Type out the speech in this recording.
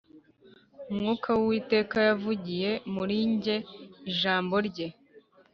Umwuka w’Uwiteka yavugiye muri jye Ijambo rye